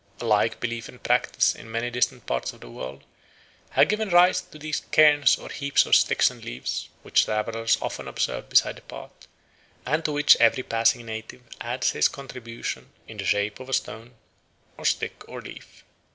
A like belief and practice in many distant parts of the world have given rise to those cairns or heaps of sticks and leaves which travellers often observe beside the path, and to which every passing native adds his contribution in the shape of a stone, or stick, or leaf.